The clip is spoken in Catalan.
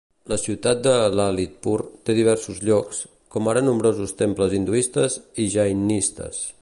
La ciutat de Lalitpur té diversos llocs, com ara nombrosos temples hinduistes i jainistes.